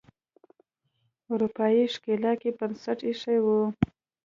اروپایي ښکېلاک یې بنسټ ایښی و.